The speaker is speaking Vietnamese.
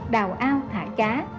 đào ao thả cá